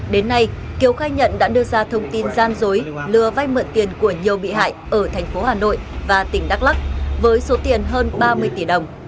đến nay kiều khai nhận đã đưa ra thông tin gian dối lừa vay mượn tiền của nhiều bị hại ở thành phố hà nội và tỉnh đắk lắc với số tiền hơn ba mươi tỷ đồng